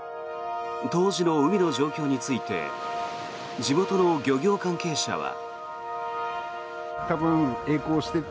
当時の海の状況について地元の漁業関係者は。